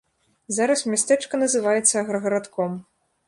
Зараз мястэчка называецца аграгарадком.